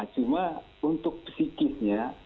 cuma untuk fisiknya